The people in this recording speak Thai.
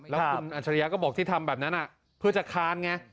แล้วคุณอัจฉริยะก็บอกที่ทำแบบนั้นเพื่อจะค้านไง